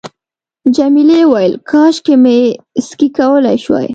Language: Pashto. جميلې وويل:، کاشکې مې سکی کولای شوای.